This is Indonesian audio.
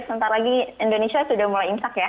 sebentar lagi indonesia sudah mulai imsak ya